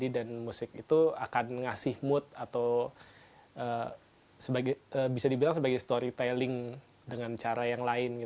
dan musik itu akan mengasih mood atau bisa dibilang sebagai storytelling dengan cara yang lain